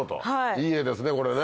いい画ですねこれね。